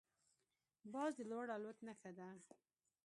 باز د لوړ الوت نښه ده